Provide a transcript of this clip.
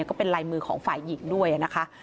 ก็เป็นลายมือของฝ่ายหญิงด้วยนะคะ